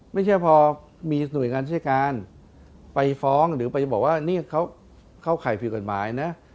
ไม่ใช่พอมีหน่วยงานใช้การไปฟ้องหรือไปบอกว่านี่เขาเข้าข่ายผิดกฎหมายนะ